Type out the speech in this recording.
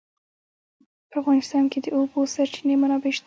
په افغانستان کې د د اوبو سرچینې منابع شته.